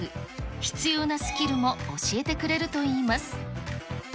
必要なスキルも教えてくれるといいます。